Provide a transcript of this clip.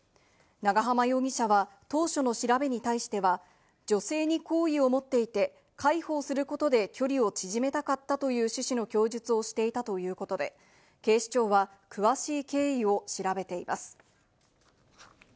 長浜容疑者は当初の調べに対しては、女性に好意を持っていて、介抱することで距離を縮めたかったという趣旨の供述をしていたということで、警視庁は詳しい経緯を調べています。